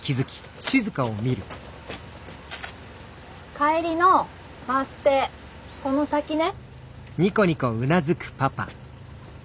帰りのバス停その先ね。